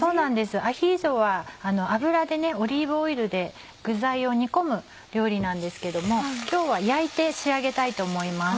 オリーブオイルで具材を煮込む料理なんですけども今日は焼いて仕上げたいと思います。